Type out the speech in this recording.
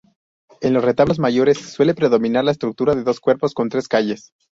En los retablos mayores suele predominar la estructura de dos cuerpos, con tres calles.